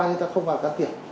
người ta không vào can thiệp